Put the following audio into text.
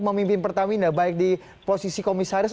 memimpin pertamina baik di posisi komisaris